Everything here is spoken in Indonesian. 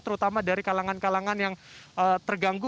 terutama dari kalangan kalangan yang terganggu